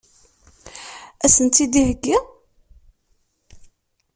Ad sen-tt-id-iheggi?